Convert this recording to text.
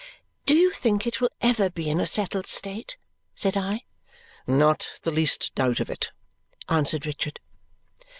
"Do you think it will ever be in a settled state?" said I. "Not the least doubt of it," answered Richard.